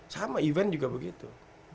sama event juga begitu